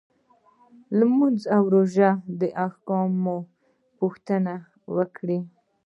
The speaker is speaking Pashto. لمونځ او روژې د احکامو پوښتنه وکړي.